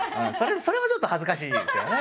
それもちょっと恥ずかしいですけどね。